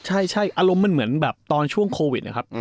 ใช่อารมณ์มันเหมือนแบบตอนช่วงโควิดนะครับ